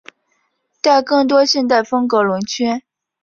带更多现代风格轮圈。